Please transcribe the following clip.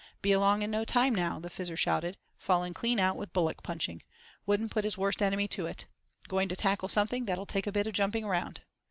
"Be along in no time now," the Fizzer shouted. "Fallen clean out with bullock punching. Wouldn't put his worst enemy to it. Going to tackle something that'll take a bit of jumping round."